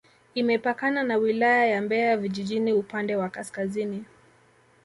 Imepakana na Wilaya ya Mbeya vijijini upande wa kaskazini